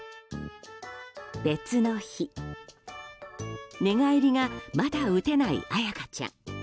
別の日、寝返りがまだ打てないあやかちゃん。